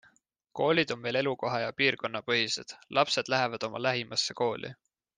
Koolid on meil elukoha- ja piirkonnapõhised - lapsed lähevad oma lähimasse kooli.